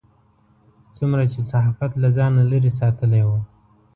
څومره چې صحافت له ځانه لرې ساتلی و.